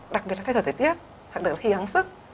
đặc biệt là thay đổi thời tiết